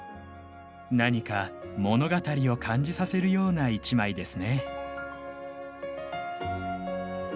何か物語を感じさせるような一枚ですね。